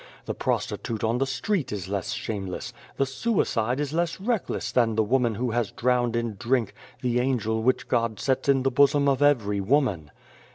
The prostitute on the street is less shameless ; the suicide is less reckless than the woman who has drowned in drink the angel which God sets in the bosom of every woman.